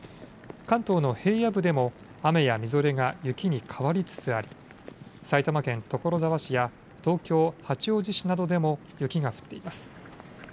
関東の平野部でも雨やみぞれが雪に変わりつつあり埼玉県所沢市や東京八王子市などでも雪が降っています。